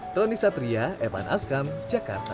tony satria evan askam jakarta